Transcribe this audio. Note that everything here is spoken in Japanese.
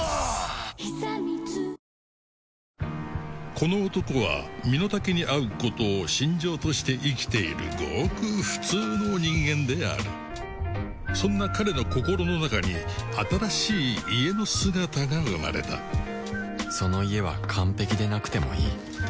この男は身の丈に合うことを信条として生きているごく普通の人間であるそんな彼の心の中に新しい「家」の姿が生まれたその「家」は完璧でなくてもいいと思っている